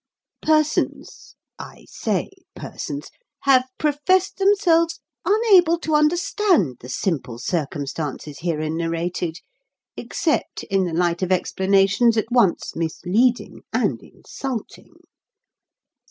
Persons I say 'persons' have professed themselves unable to understand the simple circumstances herein narrated, except in the light of explanations at once misleading and insulting.